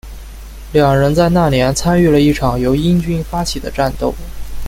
两人在那年参与了一场由英军发起的战斗。